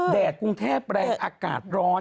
แดดกรุงเทพแรงอากาศร้อน